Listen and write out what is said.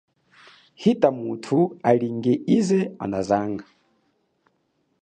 Hita muthu alinge ize anazanga.